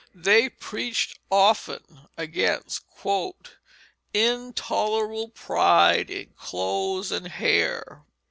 They preached often against "intolerable pride in clothes and hair."